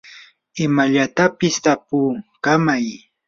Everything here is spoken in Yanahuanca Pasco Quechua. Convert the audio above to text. imallatapis tapukamay.